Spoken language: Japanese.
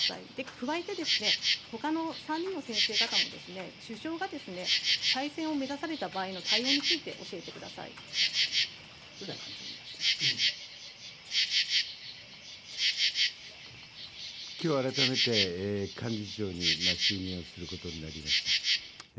くわえて、ほかの３人の先生方も首相が再選を目指された場合の対それでは幹事長お願いいたしきょう改めて幹事長に就任をすることになりました。